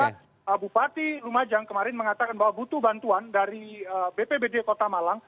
karena bupati lumajang kemarin mengatakan bahwa butuh bantuan dari bpbd kota malang